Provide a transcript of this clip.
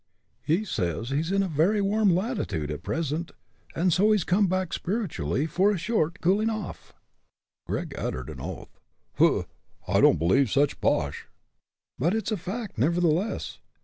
"He says he's in a very warm latitude at present, and so he's come back spiritually for a short cooling off!" Gregg uttered an oath. "Pooh! I don't believe such bosh." "But it's a fact, nevertheless.